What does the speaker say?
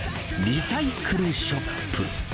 リサイクルショップ。